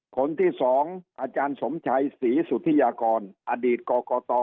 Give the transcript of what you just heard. คนที่๒อาจารย์สมชัยศรีสุธิยากรอดีตกรกต